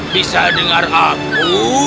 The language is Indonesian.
bisa dengar aku